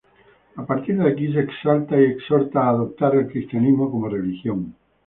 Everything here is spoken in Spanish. A partir de aquí se exalta y exhorta a adoptar el cristianismo como religión.